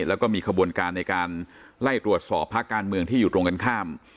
แล้วก็มีขบวนการในการไล่ตรวจสอบภาคการเมืองที่อยู่ตรงกันข้าม